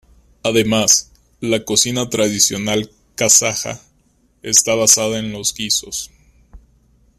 Además, la cocina tradicional kazaja está basada en los guisos.